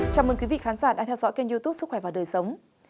chào mừng quý vị khán giả đang theo dõi kênh youtube sức khỏe và đời sống